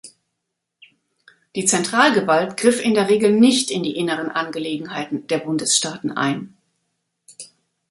Die Zentralgewalt griff in der Regel nicht in die inneren Angelegenheiten der Bundesstaaten ein.